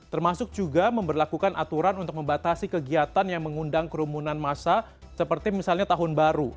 termasuk juga memperlakukan aturan untuk membatasi kegiatan yang mengundang kerumunan masa seperti misalnya tahun baru